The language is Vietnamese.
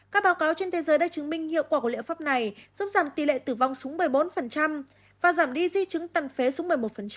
các báo cáo trên thế giới đã chứng minh hiệu quả của liệu pháp này giúp giảm tỷ lệ tử vong xuống một mươi bốn và giảm đi di chứng tần phế xuống một mươi một